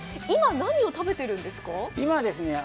今、何を食べてるんですか？